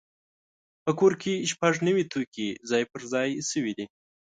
په کور کې شپږ نوي توکي ځای پر ځای شوي دي.